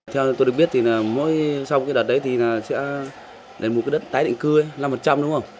theo tôi được biết thì sau một cái đợt đấy thì sẽ đền bù cái đất tái định cư năm đúng không